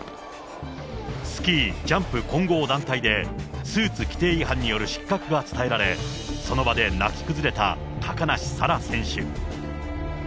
スキージャンプ混合団体で、スーツ規定違反による失格が伝えられ、その場で泣き崩れた高梨沙羅選手。